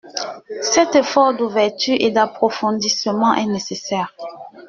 Cet effort d’ouverture et d’approfondissement est nécessaire.